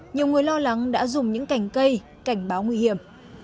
nhiều người lo lắng đã dùng những cành cây cảnh báo nguy hiểm